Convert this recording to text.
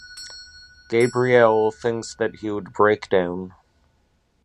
Gabrielle thinks that he would break down.